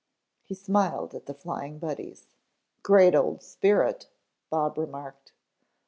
He smiled at the Flying Buddies. "Great old spirit," Bob remarked.